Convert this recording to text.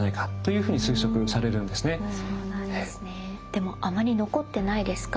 でもあまり残ってないですか？